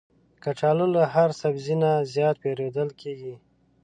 کچالو له هر سبزي نه زیات پېرودل کېږي